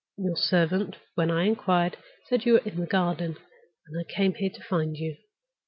Your servant, when I inquired, said you were in the garden, and I came here to find you.